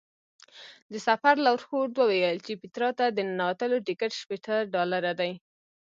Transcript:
د سفر لارښود وویل چې پیترا ته د ننوتلو ټکټ شپېته ډالره دی.